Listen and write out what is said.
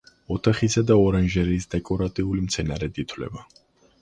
ოთახისა და ორანჟერეის დეკორატიული მცენარედ ითვლება.